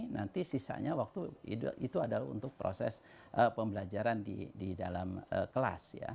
nanti sisanya waktu itu adalah untuk proses pembelajaran di dalam kelas ya